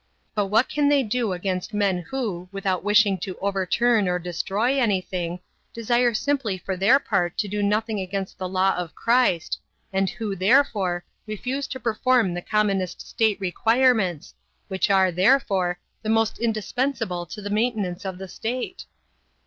But what can they do against men who, without wishing to overturn or destroy anything, desire simply for their part to do nothing against the law of Christ, and who, therefore, refuse to perform the commonest state requirements, which are, therefore, the most indispensable to the maintenance of the state?